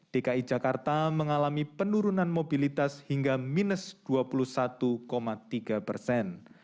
dki jakarta mengalami penurunan mobilitas hingga minus dua puluh satu tiga persen